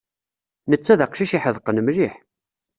Netta d aqcic iḥedqen mliḥ.